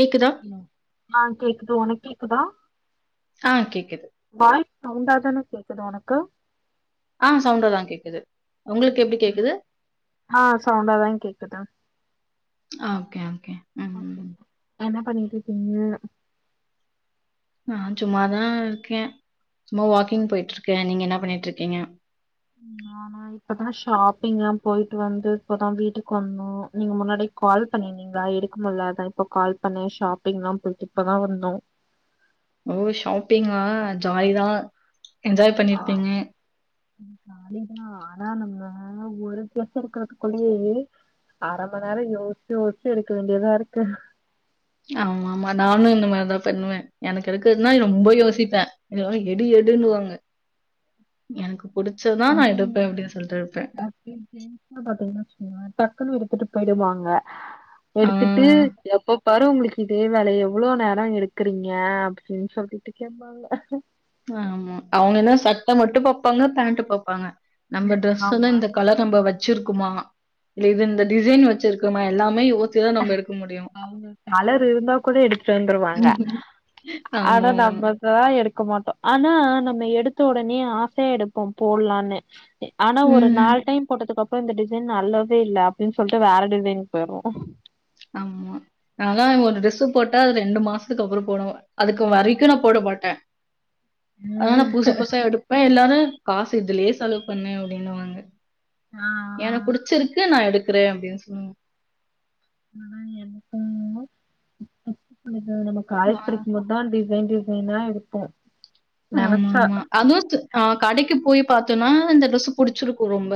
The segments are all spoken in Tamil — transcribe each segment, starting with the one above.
கேக்குதா ஹலோ ஆ கேக்குது உனக் கேக்குதா ஆ கேக்குது வாய்ஸ் சவுண்டா தான கேக்குது உனக்கு ஆ சவுண்டா தா கேக்குது ஆமா. உங்களுக்கு எப்டி ம். கேக்குது ஆ சவுண்டாதா கேக்குது ஆ கே ஓகே ம், ஓகே ம். எனக் பண்ணிட்ருக்கீங்க நா சும்மா தா இருக்கே சும்மா வாக்கிங் போயிட்ருக்கே நீங்க என்ன பண்ணிட்ருக்கீங்க ம் நானா இப்பதா ஷாப்பிங் ல்லா போய்ட்டு வந்து இப்பதா வீட்டுக் வந்தோ நீங்க முன்னாடி கால் பண்ணிருந்தீங்ளா எடுக்க முல்லா இப்ப கால் பண்ணே ஷாப்பிங் லா போய்ட்டு இப்பதா வந்தோ ஓ ஷாப்பிங்கா ஜாலி தா என்ஜாய் பண்ணிருப்பீங்க ம் ஜாலிதா ஆனா நம்ம ஒரு டிரஸ் எடுக்குற்துக்குள்ளய அர மண் நேரோ யோஸ்ச்சு யோஸ்ச்சு எடுக்க வேண்டியதா இருக்கு ஆமா ஆமா நானு இந்த மாரி தா பண்ணுவே எனக்கு எடுக்குறதுன்னா ரொம்ப யோசிப்பே [unintelligible] எடு எடுன்னுவாங்க எனக்கு புடிச்சதான் நான் அதே எடுப்பேன் அப்டின்னு சொல்ட்டு இருப்பேன். [inaudible] பாத்தா வச்சுக்கோங்களே டக்குன்னு எடுதுட்டு போய்டுவாங்க ஆ. எடுத்துட்டு எப்போ பாரு உங்குளுக்கு இதே வேல எவ்ளோ நேரோ எடுக்குறீங்க அப்டின் சொல் [unintelligible] திட்டுவாங்க ஆமா அவுங்க என்னா சட்ட மட்டு பாப்பாங்க பேண்ட்டு பாப்பாங்க நம்ம டிரெஸ்ஸுனா ஆமா. இந்த கலர் நம்ப வச் வச்சிருக்குமா இல்ல இது இந்த டிசைன் வச்சிருக்குமா எல்லாமே யோ அவுங்க கலர் இருந்தா கூட எடுத்துட் வந்துருவாங்க ஆனா ஆமாமா. நம்மதா எடு க்க மாட்டோ ஆனா நம்ம எடுத்த ஒடனே ஆசயா எடுப்போ போட்லானு ஆனா ஒரு ம். நாலு டைம் போட்டதுக்குப் இப்ப இந்த டிசைன் நல்லாவே இல்ல அப்டின் சொல்ட்டு வேற டிசைனுக் போயிர்வோ ஆம்மா அதா ஒரு டிரெஸ் போட்டா அது ரெண்டு மா மாஸ்த்துக் அப்புறோ போடுவ அதுக்கு வரைக்கு நா போட மாட்டே அதனா நா ம். பூசு புதுசா எடுப்பே இல்லனா [unintelligible] காசு இதுலியே செலவு பண்ணு அப்டினுவாங்க ஆ எனக் புடிச்சிருக்கு நா எடுக் ருக்கிறே அப்டின்னு சொல்லு ஆனா எனக்கு [unintelligible] ஆ நம ஆ. காலேஜ் படிக்கும் போதான்டி வேண்டிதுன்னா எடுப்போம் ஆமா அதுவு ஆஹ் கடைக்கு போய் பாத்தோன்னா இந்த ட்ரெஸ் புடிச்சிருக்கு ரொம்ப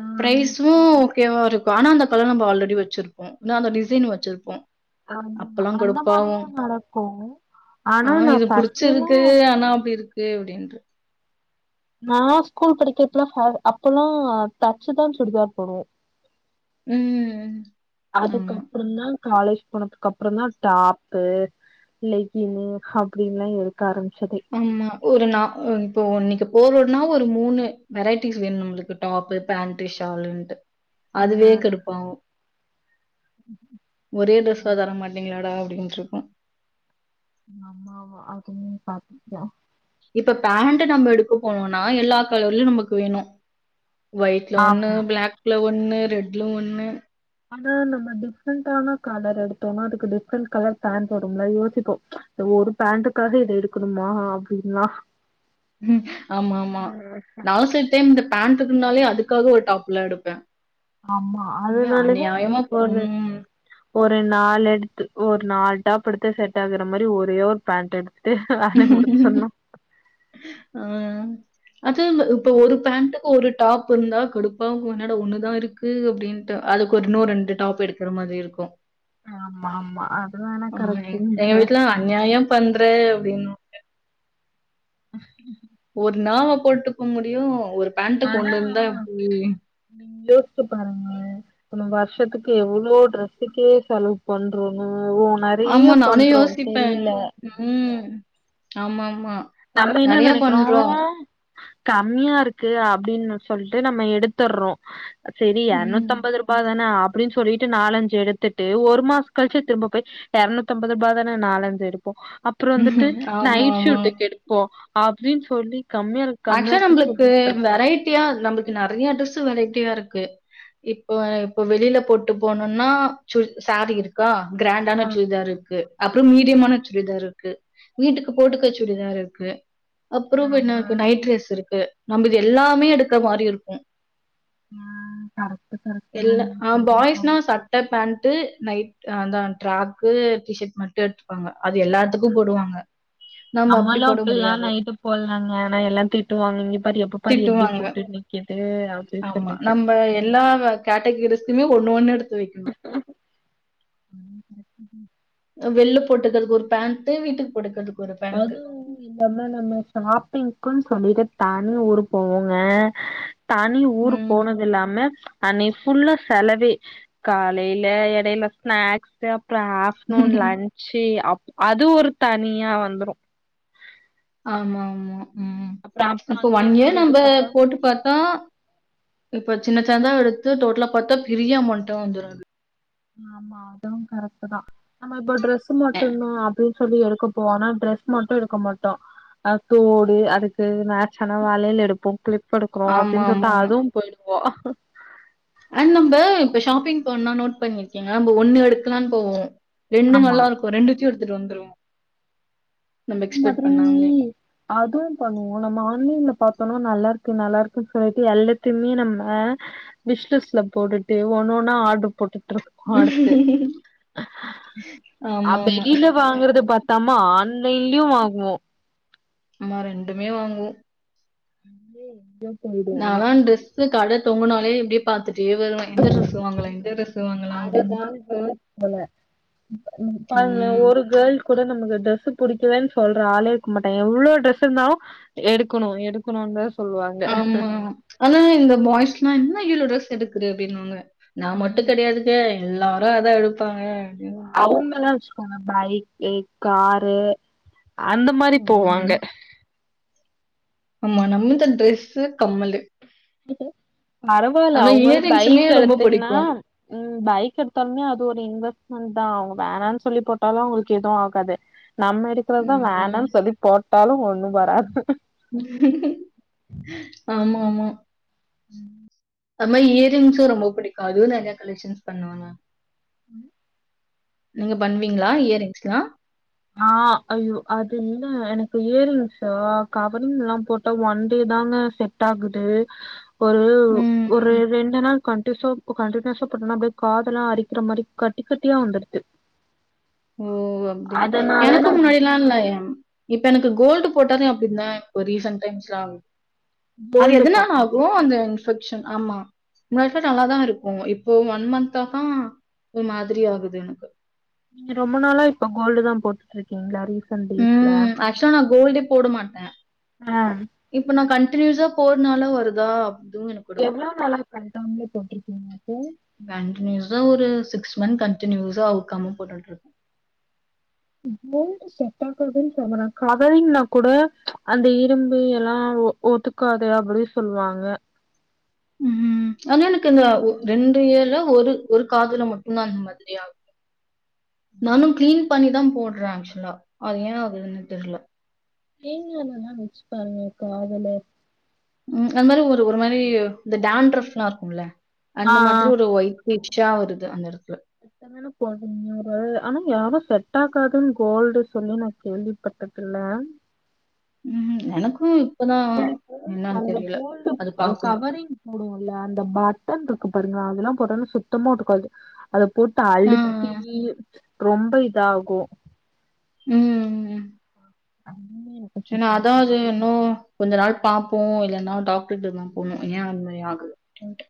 ம் ப்ரைசும் கேவா இருக்கு ஆனா அந்த கலர் நம்ம ஆல்ரெடி வச்சிருப்போம் இல்ல அந்த டிசைன் வச்சிருப்போம் ஆமா அப்பலாம் அந்த மாரியு கடுப்பாவும். நடக்கு ஆனா நா ஃபஸ்ட்டல்லா டி இருக்கு அப்படினு நா ஸ்கூல் படிக்கிறப்பலா சாலு அப்பல்லா தச்சுதா சுடிதார் போடுவோம் ம். ஆமா, அதுக்கப்புறோ தா காலேஜ் போனதுக்கு அப்புறோ தா டாப்பு லெகினு அப்படின்ல்லா எடுக்க ஆரம் ஆமா ஒரு நா இப்போ இன்னைக்கு போறோனா ஒரு மூணு வெரைட்டிஸ் வேணு நம்ளுக்கு டாப்பு பேண்டு ஷாலுன்ட்டு ஆ அதுவே கடுப்பாவு ஒரே ட்ரெஸ்ல தர மாட்டீங்களாடா அப்டின்ட்ருக்கு ஆமா அதுமே [unintelligible] இப்ப பேண்ட் நம்ம எடுக்க போனோனா எல்லா கலர்லயு நமக்கு வேணு ஒயிட்ல ஒண்ணு ஆமா பிளாக் ல ஒன் ஒண்ணு ரெட்லு ஒண்ணு ஆனா நம்ம டிஃப்ரெண்டான கலர் எடுத்தோம்னா அதுக்கு டிஃப்ரெண்ட் கலர் பேண்ட் வரும்ல யோசிப்போ ஒரு பேண்ட்டுக்காக இதை எடுக்கணுமா அப்படின்லா ஆமா ஆமா நவசே டைம் இந்த பேண்ட் னாலே அதுக்காக ஒரு டாப்லா எடுப்பே ஆமா அதனால போ ஒரு ம். ஒரு நாலு எடுத்து ஒரு நாலு டாப் எடுத்து செட் ஆகுற மாரி ஒரே ஒரு பேண்ட் எடுத்து அஹ் அது இப்ப ஒரு பேண்ட்டுக்கு ஒரு டாப் இருந்தா கொடுப்பா என்னாட ஒண்ணுதா இருக்கு அப்படின்னுட்டு அதுக்கு ஒரு இன்னு ரெண்டு டாப் எடுக்கிற மாதிரி இருக்கு ஆமா ஆமா ஆ ஆஹ் எங்க வீட்டுல அநியாயம் பண் [unintelligible] அப்டின்னு ஒரு நாவ போட்டுக்க முடியு ஒரு பேண்ட்டுக்கு ஆனா இருந்தா எப்டி? நீங்க யோசிச்சு பாருங்க போன வர்ஷ் த்துக்கு எவ்வளோ ட்ரஸ்ஸுக்கே செலவு பண்றோ ஓ நெறைய ஆமா நானு யோசிப்பே, தெரில உம். ஆமா ஆமா. நம்ம என்ன நெனைக்கிறோ கம்மியா இருக்கு அப்டின்னு சொல்ட்டு நம்ம எடுத்தர்றோ சரி ம். எரநூத்தம்பது ரூபா தானே அப் அப்டின்னு சொல்லிட்டு நாலஞ்சு எடுத்துட்டு ஒரு மாசம் கழிச்சு திரும்ப போய் எரநூத்தம்பது ரூபா தான நாலஞ்சு எடுப்போ. அப்புறோ வந்துட்டு நைட் ஆமாமா. சூட்டுக்கு எடு போ அப்டின்னு சொல்லி கம்மியா இருக்கு கம்மியா ஆக்சுவலா இருக்குன்னு நம்புளுக்கு சொல்லி எடுத்துருப்போ வெரைட்டியா நம்புள் நறையா ட்ரெஸ் வெரைட்டியா இருக்கு இப்ப இப்ப வெளியில போட்டு போனும்னா சுடி சாரீ இருக்கா ஆ கிராண்டான சுடிதார் இருக்கு அப்புறம் ம் மீடியமான சுடிதார் இருக் க்கு வீட்டுக்கு போட்டுக்க சுடிதார் இருக்கு அப்புறோ ஆமா மென்ன கேஸ் இருக்கு நம்முள்து எல்லாமே எடுக்க மாரி இருக்கும் ஆ கரெக்ட் கரெக்ட் தா எல்லா நீங்க ஆ சொல்றது பாய்ஸ்னா சட்ட பேண்ட்டு நைட் அதான் ட்ராக்கு டிஷர்ட் மட்டு எடுத்துப்பாங்க அது எல்லாத்துக்கும் போடுவாங்க நம்ம அப்புடி போட முடியாது எல்லாம் தீட்டு வாங்குங் இங்கபாரு எப்பபாரு எப்படி திட்டுவாங்க. போட்டுட்டு நிக்கிது அப்டினு சொல்லிட்டு சிம ஒண்ணு ஒண்ணு எடுத் த்த வெக்கினு சொல்லிட்டு அ வெள்ள போட்டுக்கற்துக்கு ஒரு பேண்ட்டு வீட்டுக்கு போட்டுக்கறதுக்கு அதுவு இல்லாம நம்ம ஷாப்பிங்குன் [unintelligible] ஊருக்கு போவோங்க தனி ஊரு ம். போனது இல்லாம அன்னைக் ஃபுல்லா செலவு காலையில எடையில ஸ்நாக்ஸ் அப் அப்புறோ ஆஃப்டர்நூன் ஆ. லன்ஞ்சு அப் அது ஒரு தனியா ந்துரும் ஆமா ஆமா ம் அப்புறம் இப்ப ஒன் அங்கேருந்து இயர் இங்கேது நம்ப பாத்தா போட்டு பாத்தா இப்பத் சின்ன சந்தாவ எடுத்து டோட்டலா பாத்தா பெரிய அமௌண்டா வந்துரும் ஆமா அதுவும் கரெக்ட் தான் ஆமா இப்ப டிரஸ் ஸ்ஸு மட்டுந்தான் அப்புடின் சொல்லி எடுக்கப்போனே டிரெஸ் மட்டும் எடுக்க மாட்டோம் அ தோடு அதுக்கு மேச்சான வலயல் எடுப்போம் க்ளிப் தடுக்கோ ஆமா, அப்டின்னு சொல்ட்டு ஆமா. அதுவும் போயிடு ஓ அண்ட் நம்ப இப்ப ஷாப்பிங் பண்ணணு பண்ணிக்கீங்கா நம்போ ஒண்ணு எடுக்கலாம்னு போவோம் ரெண்டு ஆமா நல்லாருக்கும் ரெண்டுத்தியும் எடுத் த்துட்டு வந்துருவோம் நம்ப அதே எக்ஸ்பெக்ட் மாதிரி, பண்ணாமலே. அதுவும் பண்ணுவோம் நம்ம ஆன்லைன்ல பா [unintelligible] நல்லா இருக்கு நல்லா இருக்குன்னு சொல்லிட்டு எல்லாத்தையுமே நம்ம விஸ்லிஸ்ட்ல போட்டுட்டு ஒன்னு ஒன்னா ஆடர்ரு போட்டு அடுத்து, ஆமா, ஆமா. வெளியில வாங்கறத பத் நம்ம [unintelligible] டெய்லியு வாங்குவோ ஆமா ரெண்டுமே வாங்குவோ [unintelligible] ஆனா நானல டிரெஸ்ஸு கட தொங்கன அப்டியே எப்டி பாத்தட்டு வாங்கலாம்? அப்படின்னு. அதுதா போல பாருங்க ம். ஒரு கேள் கூட நம்மக்கு ட்ரெஸ் புடிக்கலெனு சொல்ற ஆளே இருக்க மாட்டாங்க எவ்ளோ டிரெஸ் இருந்தாலு எடுக்கணு எடுக்கணு சொ ஆமா ஆனா இந்த பாய்ஸ் எல்லா என்ன இ் ர எடுக்குர அப்டின்னுவாங்க நா மட்டு கெடையாதுக்க எல்லா அதா எடுப்பாங்க அப்டின்னு. அவுங்கள பைக்கு காரு அந்த மாரி ம். போவாங்க ம். ஆமா நம்ம இந்த ட்ரெஸ்சு கம்மலு பரவால்ல அது மாரி அவங்களுக்கு இயரிங்ஸுமே பைக் ரொம்ப எடுத்தீங்கன்னா பிடிக்கும். உம் பைக் எடுத்தாலுமே அது ஒரு இன்வெஸ் தா அவங்க வேணானு சொல்லி போட்டாலு அவங்களுக்கு எதுவு ஆகாது நம்ம எடுக்கறது தா ம். வேணன்னு சொல்லி போட்டு [unintelligible] ஒன்னு வராது ஆமா ஆமா உம் அமா இயர்ரிங்ஸு ரொம்ப புடிக்கு அதுவு நெறைய கலெக்ஷன்ஸ் பண்ணுவாங்க உம் நீங்க பண்ணுவீங்களா இயரிங்ஸ்லா ஆ ஐயோ அது இல்ல எனக்கு இயரிங்ஸா கவரிங் எல்லா போட்டா ஒன் டே தாங்க செட் ஆகுது ஒரு ம். ஒரு ம். ரெண்டு நாள் கண்டூசா கண்டினியூஸா போட்டனா அப்டியே காதெல்லா அரிக்கிற மாரி கட்டி கட்டியா வந்துருது உம் அப்டியா எனக்கு முன்னாடில்லா இல்ல இப்ப எனக்கு கோல்டு போட்டாலே அப்டிதா இப்ப ரீசன்ட் டைம்ஸ்ல ஆகுது அது கோல்டு எதனால போட்டா அப்டி ஆகும் அந்த ம்ச் ன்வெக்க்ஷன் ஆமா முன்ன நல்லாதா இருக்கு இப்போ ஒன் மந்தாத ஒரு மாதிரி ஆகுது எனக்கு நீங்க ரொம்ப நாளா இப்ப கோல்டு தா போட்டுட்ருக்கீங்களா ரீ உம் ஆக்சுவல் நா கோல்டே போட மாட்ட ஆ இப்ப நா கன் ன்ட்டினியூசா போட்னால வருதா அதுவும் எனக்கு டவுட்டா எவ்ளோ இருக்கு. நாளா கழட்டாமலே போட்ருக்கீங்க அத சிக்ஸ் மந்த் கண்ட்டினியூஸா அவுக்காம போட்டுட்ருக்கே [unintelligible] கவரிங்னா கூட அந்த இரும்பு எல்லா ஒ ஒத்துக்காது அப்படி சொல்வாங்க ம் ஆனா எனக்கு இந்த ஒ ரெண்டு இயர்ல ஒரு ஒரு காதுல மட்டுந்தா இந் மாதிரி ஆகுது நானு கிளீன் பண்ணிதா போட் [unintelligible] ஆக்சுலா அது ஏ ஆகுதுன் தெர்ல தேங்கா எண்ணைலா வெச்சு பாருங்க காதுல ம் அது மாரி ஒரு மாரி இந்த டான்ஃரப்ல்லா இருக்கும்ல ஆ அந்த மாதிரி ஒரு ஒய்ட் [unintelligible] இச் இச்சா வருது அந்த எட எத்தனன்னோ போடற [unintelligible] ஆனா யாரு செ ட்டாகாதுன் கோல்ட சொல்லி நா கேள்விப்பட்டதில்ல ம் எனக்கு எனக்கு அந்த கோல்டு அது அ, பார்க்கணும். கவரிங் போடுவோல்ல அந்த பட்டன்ருக்கு பாருங்க அதெல்லா போட்டாலே சுத்தமா ஒத்துக்காது அத போட்டு ஆ. அழுத்தி ரொம்ப இதாகு ம் ம் அதுமே எனக்கு சேரி செட் நா ஆகாது அதாவது என்னோ கொஞ்ச நாள் பாப்போ இல்லனா டாக்டர்ட்ட தா போணு ஏ அந்த மாதிரி ஆகுது அப்டின்ட்டு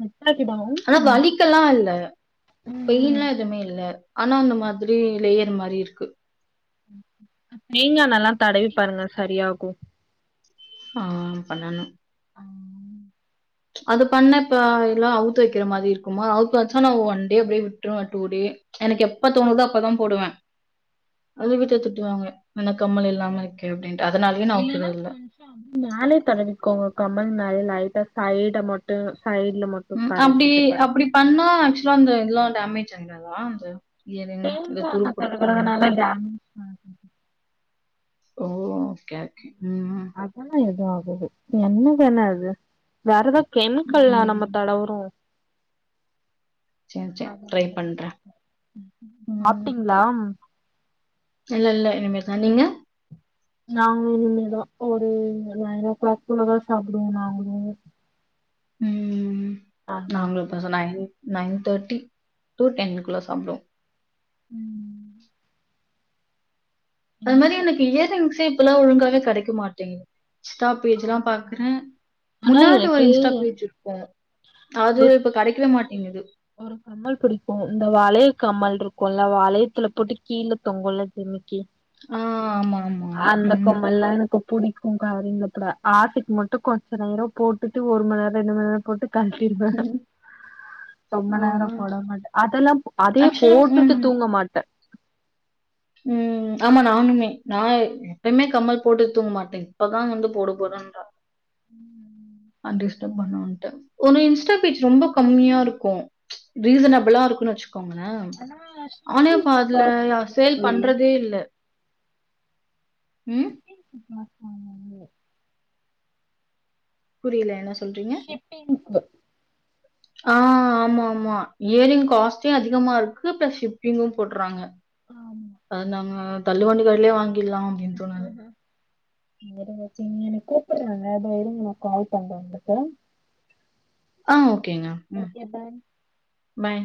செட்டாக்கிடும் ஆனா ம் வலிக்கல்லா இல்ல ம் பெயின்லா எதுமே இல்ல ஆனா அந்த மாதிரி லேயர் மாரி இருக்கு தேங்கா எண்ணலா தடவி பாருங்க சரியாகு ஆ பண்ணனு அது பண்ண இப்ப எல்லா அவுத்து வெக்கிற மாரி இருக்குமா அவுத்து வெச்சா நா ஒன் டே அப்டியே விட்டுருவே டூ டே எனக்கு எப்ப தோணுதோ அப்பதா போடுவே அதுக் வீட்ல திட்டுவாங்குவே என்ன கம்மல் இல்லாம இருக்க அப்டினு இல்லனா கொஞ்சோ மேலே தடவிக்கோங்க கம்மல் மேல லைட்டா சைடு மட்டு சைட்ல மட்டு ம் அப்டி தடவிட்டு பாருங்க அப்டி பண்ணா ஆக்சுவலா இந்த இதுலாம் தம்மி [unintelligible] தேங்கா எண்ண தடவுறனால டமே [inaudible] ஓ ஓகே ஓகே ம். அதலாம் எதும் அவ் எண்ண தான அது வேறதோ கெமிக்கல்லா நம்ம ம். தடவரு சரி, ஆ சரி. ட்ரை பண்றேன். [inaudible] சாப்பிட்டீங்களா இல்லல்ல இனிமே தா நீங்க நாங்க இனிமேதா ஒரு நைன்னோ கிளாக்குள்ளதா சாப்பிடுவோ நாங்களூ ம் நாங்களு பெசலாயி நைன் தேர்ட்டி டூ டென்னுக்குள்ள சாப்பிடுவோ ம் அது என்ன மாரி ச எனக்கு இயர்ரிங்ஸே இப்பல்லா ஒழுங்காவே கெடைக்க மாட்டேங்கு இன்ஸ்டா பேஜ்ல்லா ஆமா பாக்குறே ஆனா முன்னாடி ஒரு எனக்கு இன்ஸ்டா பேஜ் இருக்கூ அது ஒரு இப்ப கெடக்கவே மாட் இன்து ஒரு கம்மல் புடிக்கு இந்த வளைய கம்மல் இருக்குல்ல வளையத்துல போட்டு கீழ தொங்குலெ ஜிமிக் கி ஆ, ஆமா, ஆமா. அந்த ம். கொமல்லா எனக்கு புடிக்கு கவரிங்ல கூட ஆசைக்கு மட்டு கொஞ்ச நேரோ போட்டுட்டு ஒரு மணிநேர ரெண்டு மணி நேர போட்டு கல்டீர்வ ம். ரொம்ப ஆ. நேர போட மாட்டே அதெல்லா ப் அதே ஆக்சுவலா போட்டுட்டு ம். தூங்க மாட்டே ம் ஆமா நானுமே நா எப்யுமே கம்மல் போட்டு தூங்க மாட்டே இப்பதா வந்து போட போறன் றா ம் அன்ரிஸ்டர் பண்ணனுன்ட்டு ஒரு இன்ஸ்டா பேஜ் ரொம்ப கம்மியா இருக்கு ரீசனபிளா இருக்குன்னு வெச்சு கோங்கள அவனேப்பதுல யார் சொ பண்றதே இல்ல ம் [inaudible] புரியல என்னசொ ஷிப்பிங் [unintelligible] ஆ ஆமா மா இயரிங் காஸ்ட்டே அதிகமா இருக் க்கு பிளஸ் ஷிபிங்கு போட்றாங்க அ நாங்க தள்ளுவண்டி கடயிலே வாங் ல்லாம் அப்படின் தோனாது வேற ஓகேங்க கூப்பிடுறாங்க இதோ யிருங்கற கால் பண்றேன் உங்களுக்கு ஆஹ் ஓக்கேங்க ம் பாய்